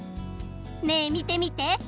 ねえみてみて。